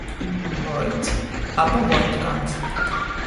Voits aba voitkāns.